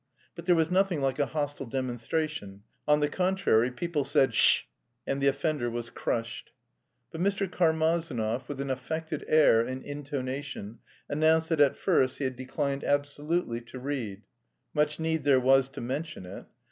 But there was nothing like a hostile demonstration; on the contrary people said "sh h!" and the offender was crushed. But Mr. Karmazinov, with an affected air and intonation, announced that "at first he had declined absolutely to read." (Much need there was to mention it!)